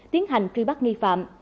tiến hành truy bắt nghi phạm